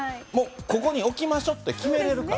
ここに置きましょって、決めれるから。